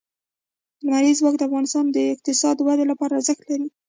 لمریز ځواک د افغانستان د اقتصادي ودې لپاره ارزښت لري.